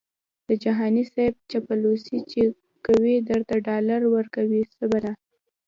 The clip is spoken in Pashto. د جهاني صیب چاپلوسي چې کوي درته ډالري ورکوي څه بلا🤑🤣